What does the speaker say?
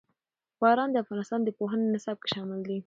باران د افغانستان د پوهنې نصاب کې شامل دي.